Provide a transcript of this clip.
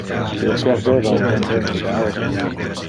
Io perdeva un pendente de aures.